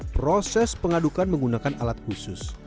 proses pengadukan menggunakan alat khusus